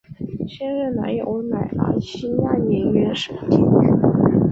现任男友为马来西亚演员盛天俊。